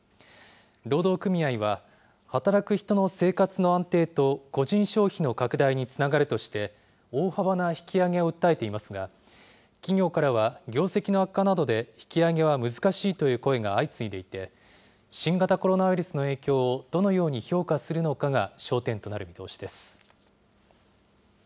労働組合は、働く人の生活の安定と、個人消費の拡大につながるとして、大幅な引き上げを訴えていますが、企業からは、業績の悪化などで、引き上げは難しいという声が相次いでいて、新型コロナウイルスの影響をどのように評価するのかが焦点となる見通しです。